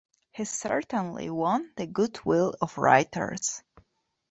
He certainly won the good will of writers.